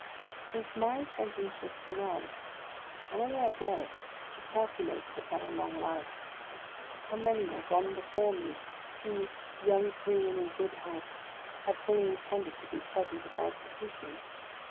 Since my sentence was pronounced, how many are dead who calculated upon a long life ! How many are gone before me, who, young, free, and in good health, had fully intended to be present at my execution